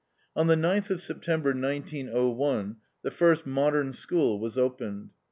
On the ninth of September, 1901, the first Modern School was opened.